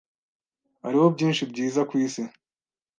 Hariho byinshi byiza kwisi